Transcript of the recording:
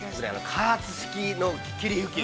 ◆加圧式の霧吹き